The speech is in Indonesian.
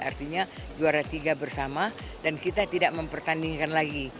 artinya juara tiga bersama dan kita tidak mempertandingkan lagi